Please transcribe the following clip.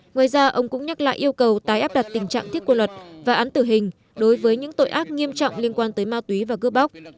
ngoài ra ông cũng nhắc lại yêu cầu tái áp đặt tình trạng thiết quân luật và án tử hình đối với những tội ác nghiêm trọng liên quan tới ma túy và cướp bóc